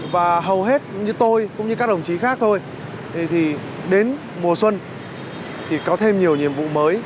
và hầu hết như tôi cũng như các đồng chí khác thôi thì đến mùa xuân thì có thêm nhiều nhiệm vụ mới